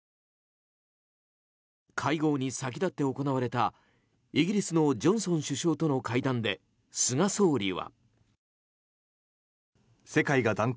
会合に先立って行われたイギリスのジョンソン首相との会談で菅総理は。